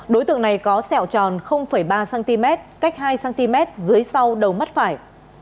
đối tượng này có sẹo tròn ba cm cách hai cm dưới sau đầu mắt phải